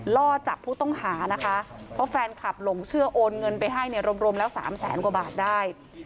ล่อจับผู้ต้องหานะคะเพราะแฟนคลับหลงเชื่อโอนเงินไปให้เนี่ยรวมแล้ว๓แสนกว่าบาทได้